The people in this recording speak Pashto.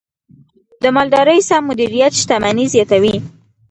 د مالدارۍ سم مدیریت شتمني زیاتوي.